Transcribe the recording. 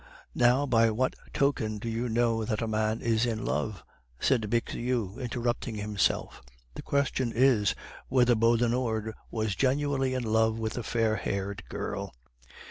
Now by what token do you know that a man is in love?" said Bixiou, interrupting himself. "The question is, whether Beaudenord was genuinely in love with the fair haired girl."